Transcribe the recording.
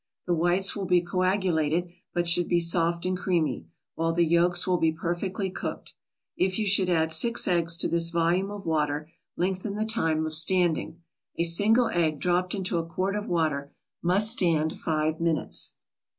The whites will be coagulated, but should be soft and creamy, while the yolks will be perfectly cooked. If you should add six eggs to this volume of water, lengthen the time of standing. A single egg, dropped into a quart of water, must stand five minutes.